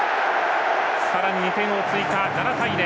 さらに２点を追加、７対０。